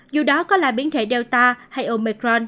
dù đó có là biến thể delta hay omicron